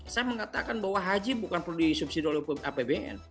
saya mengatakan bahwa haji bukan perlu disubsidi oleh apbn